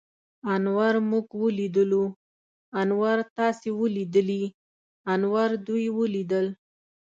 انور موږ وليدلو. انور تاسې وليدليٙ؟ انور دوی وليدل.